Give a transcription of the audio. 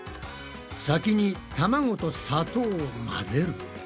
先にたまごと砂糖を混ぜる。